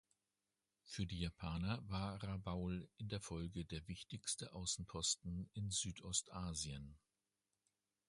Für die Japaner war Rabaul in der Folge der wichtigste Außenposten in Südostasien.